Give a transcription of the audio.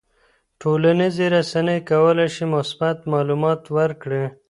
ټولنیزې رسنۍ کولی شي مثبت معلومات ورکړي.